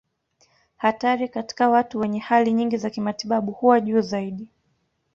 Hatari katika watu wenye hali nyingi za kimatibabu huwa juu zaidi.